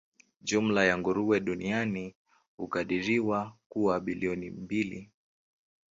Jumla ya nguruwe duniani hukadiriwa kuwa bilioni mbili.